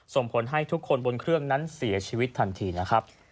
ส่งผลให้ทุกคนบนเครื่องนั้นเสียชีวิตทันทีนะครับ